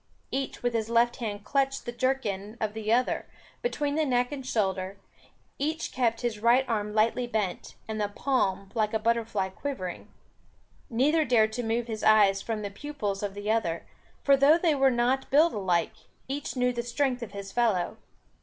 Each with his left hand clutched the jerkin of the other, between the neck and shoulder, each kept his right arm lightly bent, and the palm like a butterfly quivering. Neither dared to move his eyes from the pupils of the other; for though they were not built alike, each knew the strength of his fellow.